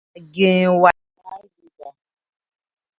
A gęę way wur darge ga.